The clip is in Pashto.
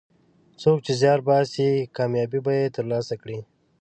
څوک چې زیار باسي، کامیابي به یې ترلاسه کړي.